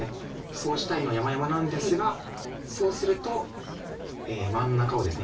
そうしたいのはやまやまなんですがそうすると真ん中をですね